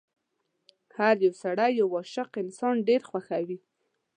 هر يو سړی یو عاشق انسان ډېر خوښوي.